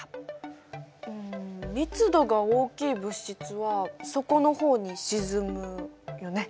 密度が大きい物質は底のほうに沈むよね。